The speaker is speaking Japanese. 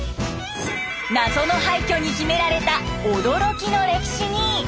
謎の廃虚に秘められた驚きの歴史に。